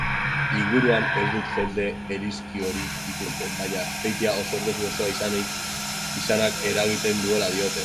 Inguruan ez dut jende elizkoirik ikusten ,baina Azpeitia oso erlijosoa izanak eragiten duela diote.